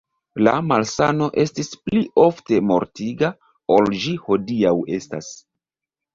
La malsano estis pli ofte mortiga ol ĝi hodiaŭ estas.